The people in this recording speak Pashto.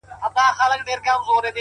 o سوخ خوان سترگو كي بيده ښكاري،